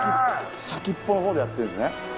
先っぽのほうでやってるんですね。